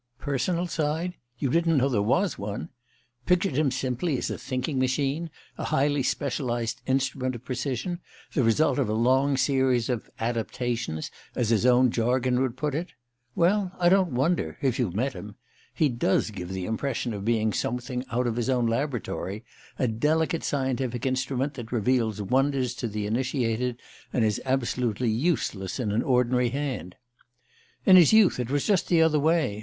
Personal side? You didn't know there was one? Pictured him simply as a thinking machine, a highly specialized instrument of precision, the result of a long series of "adaptations," as his own jargon would put it? Well, I don't wonder if you've met him. He does give the impression of being something out of his own laboratory: a delicate scientific instrument that reveals wonders to the initiated, and is absolutely useless in an ordinary hand. In his youth it was just the other way.